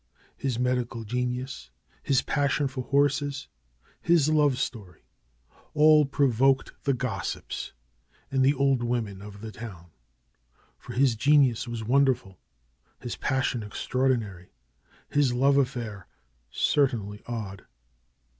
His medical genius, his passion for horses, his love story, all provoked the gossips and the old women of the town. For his genius was wonderful ; his passion extraordinary, his love affair certainly odd.